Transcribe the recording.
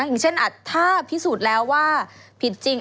อย่างเช่นถ้าพิสูจน์แล้วว่าผิดจริง